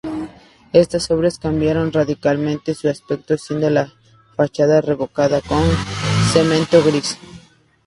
Estas obras cambiaron radicalmente su aspecto, siendo la fachada revocada con cemento gris.